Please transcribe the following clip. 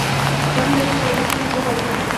سارې د احمد او علي ترمنځ روغه وکړه.